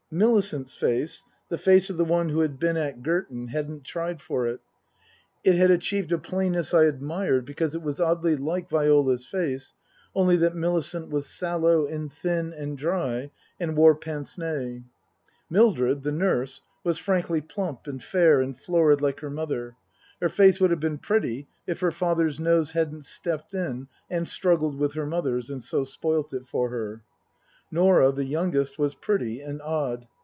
Millicent's face, the face of the one who had been at 94 Tasker Jevons Girton, hadn't tried for it ; it had achieved a plainness I admired because it was oddly like Viola's face, only that Millicent was sallow and thin and dry and wore pince nez. Mildred, the nurse, was frankly plump and fair and florid like her mother ; her face would have been pretty if her father's nose hadn't stepped in and struggled with her mother's and so spoilt it for her. Norah, the youngest, was pretty and odd.